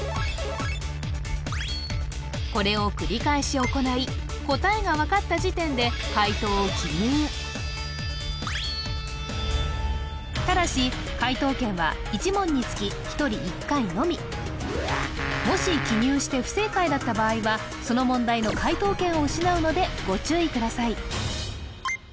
これを繰り返し行い答えが分かった時点で解答を記入ただし解答権は１問につき１人１回のみもし記入して不正解だった場合はその問題の解答権を失うのでご注意ください